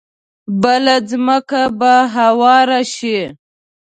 بله ځمکه به هواره شي.